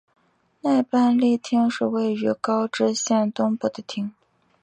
奈半利町是位于高知县东部的町。